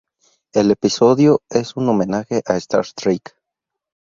El episodio es un homenaje a Star Trek.